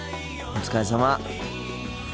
お疲れさま。